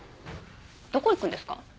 どこ行くんですか？